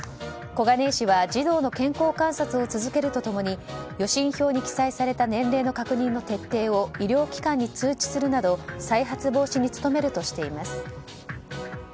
小金井市は児童の健康観察を続けると共に予診票に記載された年齢の確認の徹底を医療機関に通知するなど再発防止に努めるとしています。